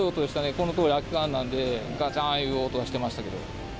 このとおり空き缶なので、がちゃーんいう音がしてましたけど。